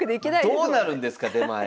どうなるんですか出前。